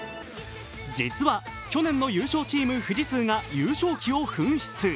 実は去年の優勝チーム・富士通が優勝旗を紛失。